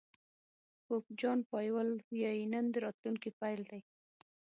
پوپ جان پایول وایي نن د راتلونکي پيل دی.